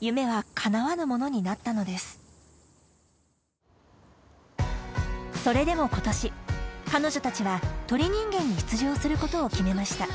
夢は叶わぬものになったのですそれでも今年彼女たちは『鳥人間』に出場することを決めました